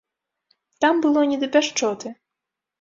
Там было не да пяшчоты.